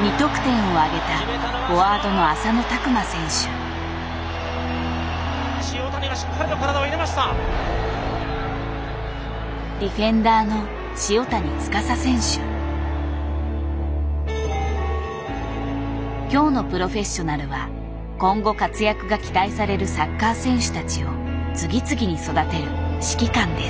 ２得点を挙げたフォワードのディフェンダーの今日の「プロフェッショナル」は今後活躍が期待されるサッカー選手たちを次々に育てる指揮官です。